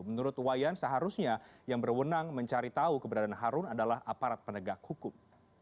menurut wayan seharusnya yang berwenang mencari tahu keberadaan harun adalah aparat penegak hukum